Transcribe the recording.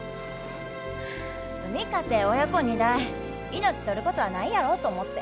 海かて親子二代命取ることはないやろうと思って。